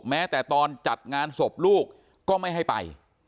แม้แต่ตอนจัดงานศพลูกก็ไม่ให้ไป